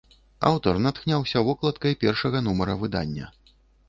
Аўтар натхняўся вокладкай першага нумара выдання.